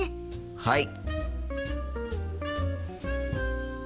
はい！